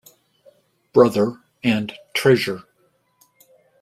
Brother" and "Treasure".